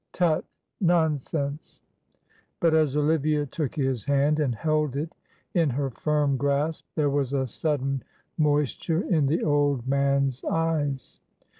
"Tut, nonsense!" but as Olivia took his hand and held it in her firm grasp, there was a sudden moisture in the old man's eyes.